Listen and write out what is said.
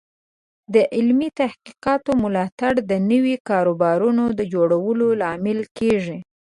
د علمي تحقیقاتو ملاتړ د نوي کاروبارونو د جوړولو لامل کیږي.